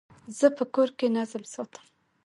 زه په کور کي نظم ساتم.